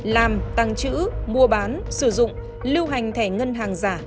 làm tăng trữ mua bán sử dụng lưu hành thẻ ngân hàng giả